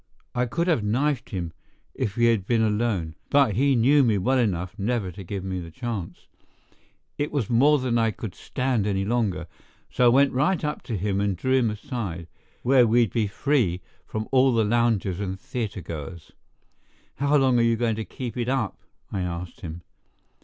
I could have knifed him if we had been alone, but he knew me well enough never to give me the chance. It was more than I could stand any longer, so I went right up to him and drew him aside, where we'd be free from all the loungers and theater goers. "How long are you going to keep it up?" I asked him.